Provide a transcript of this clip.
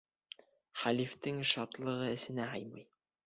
Хәлифтең шатлығы эсенә һыймай.